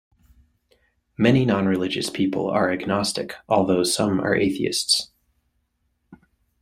Many nonreligious people are agnostic, although some are atheists